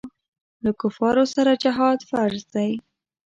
له کفارو سره جهاد فرض دی.